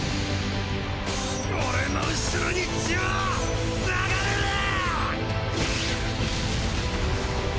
俺の後ろに血は流れねぇ！